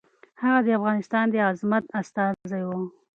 هغه د افغانستان د عظمت استازی و.